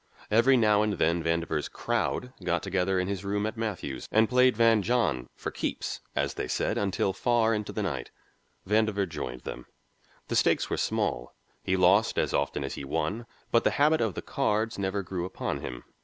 Every now and then Vandover's "crowd" got together in his room in Matthew's, and played Van John "for keeps," as they said, until far into the night. Vandover joined them. The stakes were small, he lost as often as he won, but the habit of the cards never grew upon him.